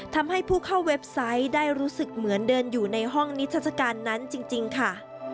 ทำให้ผู้เข้าเว็บไซต์ได้รู้สึกเหมือนเดินอยู่ในห้องนิทัศกาลนั้นจริงค่ะ